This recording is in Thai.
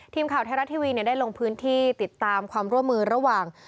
ทีมข่าวไทยรัฐทีวีได้ลงพื้นที่ติดตามความร่วมมือระหว่าง